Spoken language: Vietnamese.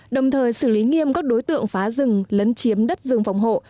đồng thời xử lý nghiêm các đối tượng phá rừng lấn chiếm đất rừng phòng hộ